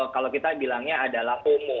kalau kita bilangnya adalah homo